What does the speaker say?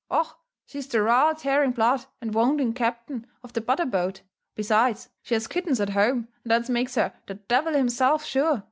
Och! she's the raal taring blood and wounding captain of the butter boat; besides, she has kittens at home, and that makes her the devil himself, sure.